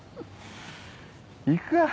行くか。